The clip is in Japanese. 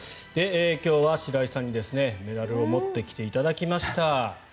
今日は白井さんに、メダルを持ってきていただきました。